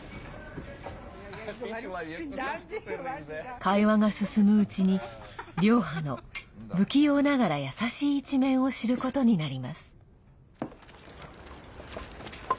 会話が進むうちに、リョーハの不器用ながら優しい一面を知ることになります。